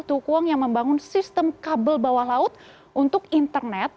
tukwang yang membangun sistem kabel bawah laut untuk internet